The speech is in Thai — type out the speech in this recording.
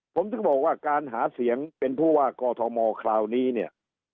ผมถึงบอกว่าการหาเสียงเป็นผู้ว่ากอทมคราวนี้เนี่ย